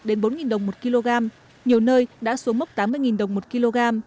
đến bốn đồng một kg nhiều nơi đã xuống mốc tám mươi đồng một kg